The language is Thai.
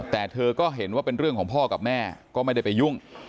แต่เธอก็เห็นว่าเป็นเรื่องของพ่อกับแม่ก็ไม่ได้ไปยุ่ง